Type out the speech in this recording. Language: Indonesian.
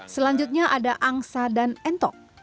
selanjutnya ada angsa dan entok